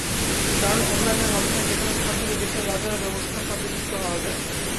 কারণ, অনলাইনের মাধ্যমে যেকোনো স্থান থেকে দেশের বাজারব্যবস্থার সঙ্গে যুক্ত হওয়া যায়।